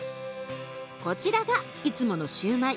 こちらがいつものシューマイ。